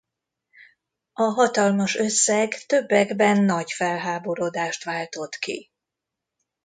A hatalmas összeg többekben nagy felháborodást váltott ki.